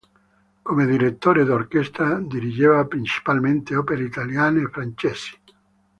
Come direttore d'orchestra dirigeva principalmente opere italiane e francesi.